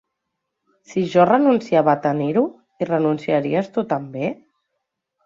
Si jo renunciava a tenir-ho, hi renunciaries tu també?